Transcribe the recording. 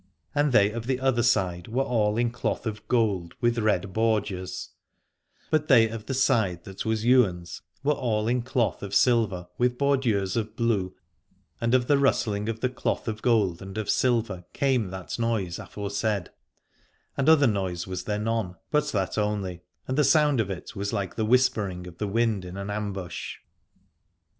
And they of the other side were all in cloth of gold with red bordures, but they of the side that was Ywain's were all in cloth of silver with bordures of blue, and of the rustling of the cloth of gold and of silver came that noise aforesaid, and other noise was there none, but that only, and the sound of it was like the whispering of the wind in an ambush.